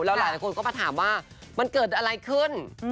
แล้วหลายคนก็มาถามว่ามันเกิดอะไรขึ้น